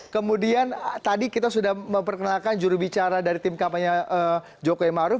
kemudian tadi kita sudah memperkenalkan jurubicara dari tim kampanye jokowi maruf